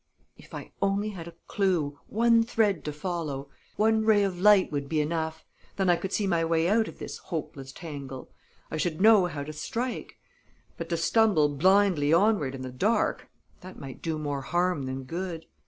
If I only had a clew; one thread to follow! One ray of light would be enough! Then I could see my way out of this hopeless tangle; I should know how to strike. But to stumble blindly onward in the dark that might do more harm than good.